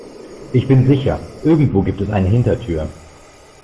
Ich bin sicher, irgendwo gibt es eine Hintertür.